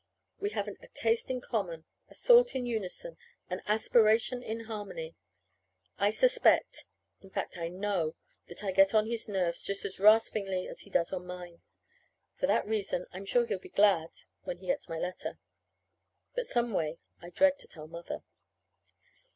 We haven't a taste in common, a thought in unison, an aspiration in harmony. I suspect in fact I know that I get on his nerves just as raspingly as he does on mine. For that reason I'm sure he'll be glad when he gets my letter. But, some way, I dread to tell Mother.